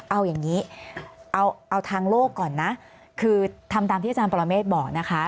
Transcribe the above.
เอาอย่างนี้เอาทางโลกก่อนนะคือทำตามที่อาจารย์ปรเมฆบอกนะคะ